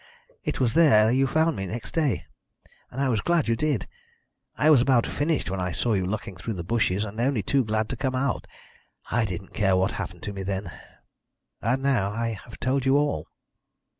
It was there you found me next day, and I was glad you did. I was about finished when I saw you looking through the bushes and only too glad to come out. I didn't care what happened to me then. And now, I have told you all."